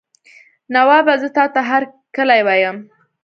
نوابه زه تاته هرکلی وایم.